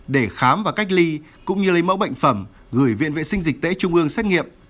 để khám và cách ly cũng như lấy mẫu bệnh phẩm gửi viện vệ sinh dịch tễ trung ương xét nghiệm